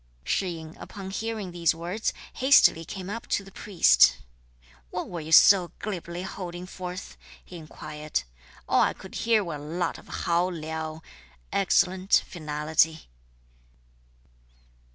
Shih yin upon hearing these words, hastily came up to the priest, "What were you so glibly holding forth?" he inquired. "All I could hear were a lot of hao liao (excellent, finality.")